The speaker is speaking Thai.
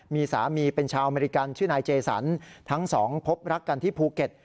มีสามีเป็นชาวอเมริกันชื่อนายเจสันทั้งสองพบรักกันที่ภูเก็ต